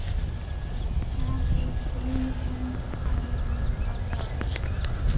Sharpe is being charged as an adult.